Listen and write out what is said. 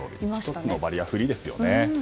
１つのバリアフリーですよね。